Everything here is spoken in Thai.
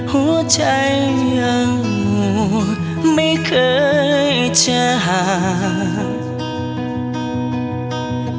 หัวใจยังไม่เคยจะห่าง